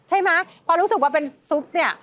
ใช่ไหมพอรู้สึกว่าเป็นซุปเนี่ย